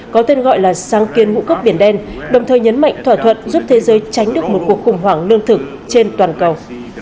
có tên gọi là sáng kiến ngũ cốc biển đen đồng thời nhấn mạnh thỏa thuận giúp thế giới tránh được một cuộc khủng hoảng lương thực trên toàn cầu